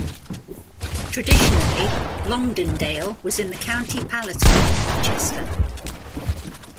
Traditionally, Longdendale was in the County palatine of Chester.